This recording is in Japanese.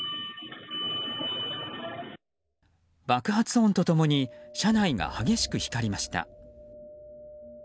爆発音と共に車内が激しく光りました。